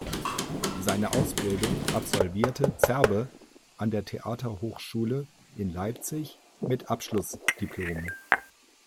Seine Ausbildung absolvierte Zerbe an der Theaterhochschule in Leipzig mit Abschlussdiplom.